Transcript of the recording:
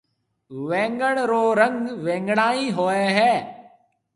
وينگڻ رو رنگ وينگڻائي هوئي هيَ۔